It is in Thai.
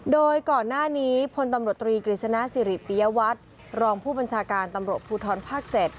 โดยก่อนหน้านี้พลตำรวจตรีกฤษณะสิริปิยวัตรรองผู้บัญชาการตำรวจภูทรภาค๗